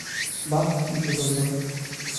বাঃ, দিব্যি গন্ধ?